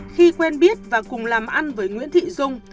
khi quen biết và cùng làm ăn với nguyễn thị dung